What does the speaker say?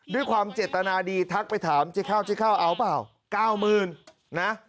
ด้วยความเจ็ดตนาดีทักไปถามเจ๊ฆ่าเอาเปล่า๙๐๐๐๐บาทนะ